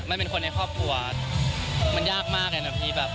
มันเป็นคนในครอบครัวมันยากมากเลยนะพี่แบบ